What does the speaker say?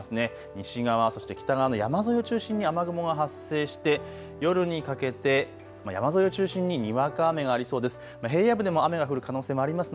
西側そして北側の山沿いを中心に雨雲が発生して夜にかけて山沿いを中心ににわか雨がありそうです。